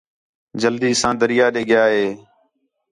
جلدی ساں دریا دے ڳِیا ہِے